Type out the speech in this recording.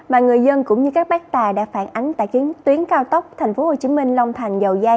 mà người dân cũng như các bác tà đã phản ánh tại tuyến cao tốc tp hcm long thành